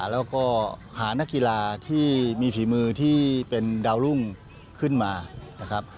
แล้วก็หานักกีฬาที่มีฝีมือที่เป็นดาวรุ่งขึ้นมานะครับ